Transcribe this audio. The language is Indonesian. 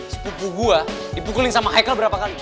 sepupu gua dipukulin sama haikal berapa kali